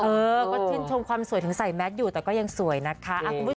เออก็ชื่นชมความสวยถึงใส่แมทอยู่แต่ก็ยังสวยนะคะ